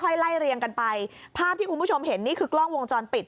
ไล่เรียงกันไปภาพที่คุณผู้ชมเห็นนี่คือกล้องวงจรปิด